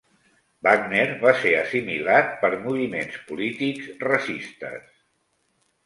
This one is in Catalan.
Wagner va ser assimilat per moviments polítics racistes.